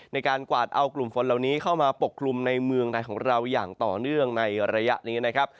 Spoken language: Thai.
ในการกวาดเอากลุ่มฝนเหล่านี้เข้ามาปกคลุมในเมืองไทยของเราอย่างต่อเนื่องในระยะนี้นะครับ